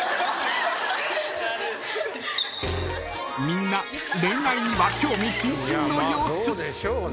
［みんな恋愛には興味津々の様子］